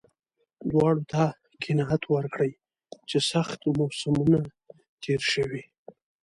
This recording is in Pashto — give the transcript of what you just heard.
دواړو ته قناعت ورکړي چې سخت موسمونه تېر شوي.